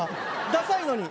ダサいのに。